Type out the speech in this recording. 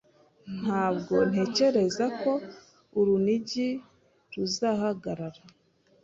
Ntabwo ntekereza ko urunigi ruzahagarara